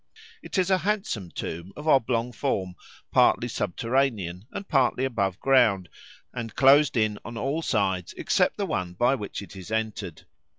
It is a handsome tomb of oblong form, partly subterranean and partly above ground, and closed in on all sides except the one by which it is entered.